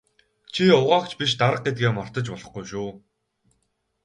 Чи угаагч биш дарга гэдгээ мартаж болохгүй шүү.